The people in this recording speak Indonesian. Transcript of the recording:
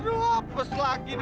aduh abes lagi ini